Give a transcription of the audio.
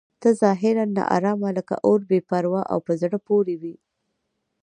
ته ظاهراً ناارامه لکه اور بې پروا او په زړه پورې وې.